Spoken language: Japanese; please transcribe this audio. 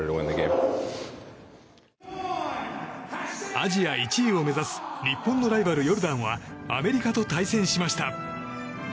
アジア１位を目指す日本のライバル、ヨルダンはアメリカと対戦しました。